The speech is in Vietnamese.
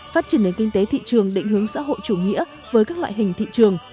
phát triển nền kinh tế thị trường định hướng xã hội chủ nghĩa với các loại hình thị trường